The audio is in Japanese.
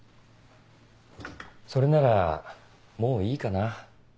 それならもういいかな。